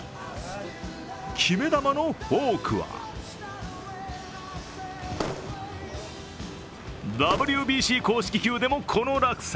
決め球のフォークはＷＢＣ公式球でもこの落差。